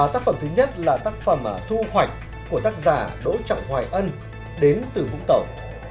tác phẩm thứ nhất là tác phẩm thu hoạch của tác giả đỗ trọng hoài ân đến từ vũng tàu